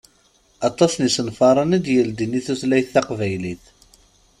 Aṭas n isenfaṛen i d-yeldin i tutlayt taqbaylit.